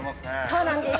そうなんです。